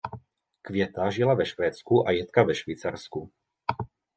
Květa žila v Švédsku a Jitka ve Švýcarsku.